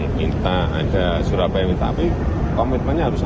kita ada surabaya mintaplik komitmennya harus ada